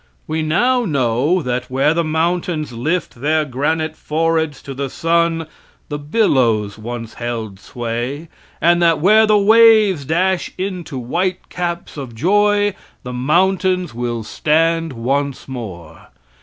We now know that where the mountains lift their granite foreheads to the sun, the billows once held sway, and that where the waves dash into white caps of joy, the mountains will stand once more.